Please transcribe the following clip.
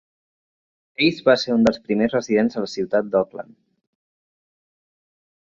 Hays va ser un dels primers residents de la ciutat de Oakland.